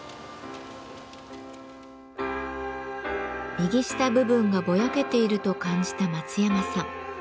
右下部分がぼやけていると感じた松山さん。